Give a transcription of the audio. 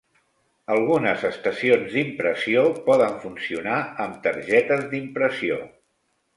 Algunes estacions d'impressió poden funcionar amb targetes d'impressió.